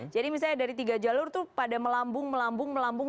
jadi misalnya dari tiga jalur itu pada melambung melambung melambung